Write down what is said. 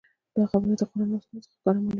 دا خبره د قران او سنت څخه ښکاره معلوميږي